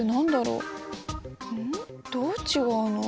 どう違うの？